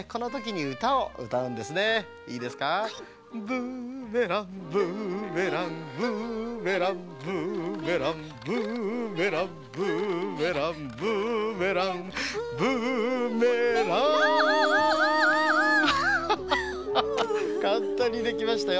ブーメランブーメランブーメランブーメランブーメランブーメランブーメランブーメランハハハハかんたんにできましたよ。